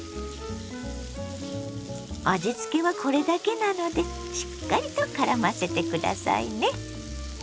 味つけはこれだけなのでしっかりとからませて下さいね。